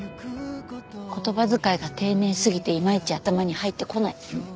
言葉遣いが丁寧すぎていまいち頭に入ってこない。